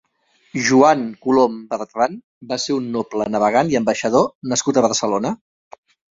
Joan Colom Bertran va ser un noble, navegant i ambaixador nascut a Barcelona.